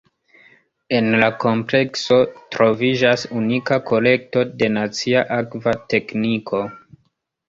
En la komplekso troviĝas unika kolekto de nacia akva tekniko.